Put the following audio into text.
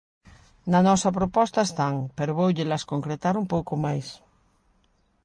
Na nosa proposta están, pero vóullelas concretar un pouco máis.